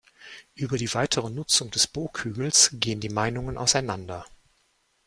Über die weitere Nutzung des Burghügels gehen die Meinungen auseinander.